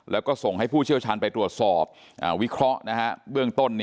แล้วก็ส่งให้ผู้เชี่ยวชาญไปตรวจสอบวิเคราะห์เบื้องต้น